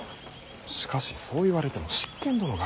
しかしそう言われても執権殿が。